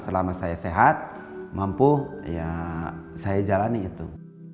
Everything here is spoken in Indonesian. selama saya sehat mampu ya saya jalani itu